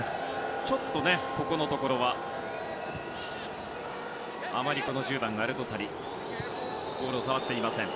ちょっとここのところはあまり、１０番のアルドサリはボールを触っていません。